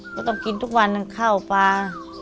ก็ต้องกินทุกวันข้าวปลา